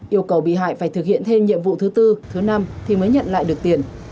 yêu cầu bị hại phải thực hiện thêm nhiệm vụ thứ tư thứ năm thì mới nhận lại được tiền